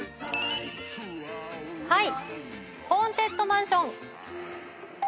はい。